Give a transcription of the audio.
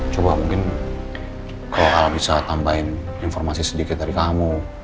coba mungkin kalau bisa tambahin informasi sedikit dari kamu